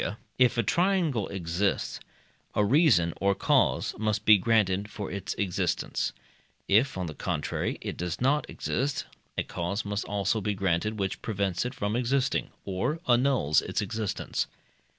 if a triangle exist, a reason or cause must be granted for its existence; if, on the contrary, it does not exist, a cause must also be granted, which prevents it from existing, or annuls its existence.